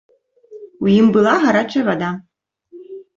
У ім была гарачая вада.